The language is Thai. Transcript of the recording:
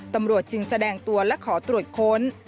ตำรวจจึงแสดงตัวและขอตรวจค้น